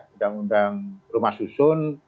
undang undang rumah susun